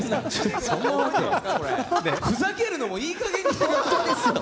ふざけるのもいいかげんにしてください。